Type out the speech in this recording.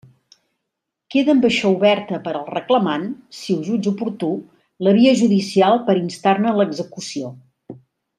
Queda amb això oberta per al reclamant, si ho jutja oportú, la via judicial per a instar-ne l'execució.